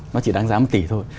nó chỉ đang giá một tỷ thôi